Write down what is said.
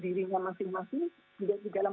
dirinya masing masing juga di dalam